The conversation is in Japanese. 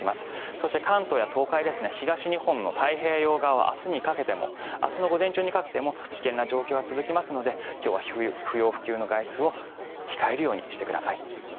そして関東や東海東日本の太平洋側は明日にかけても明日の午前中にかけても危険な状況は続きますので今日は不要不急の外出を控えるようにしてください。